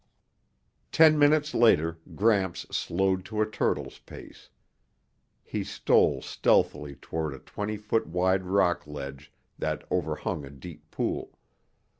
Ten minutes later, Gramps slowed to a turtle's pace. He stole stealthily toward a twenty foot wide rock ledge that overhung a deep pool.